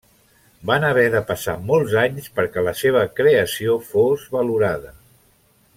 Van haver de passar molts anys perquè la seva creació fos valorada.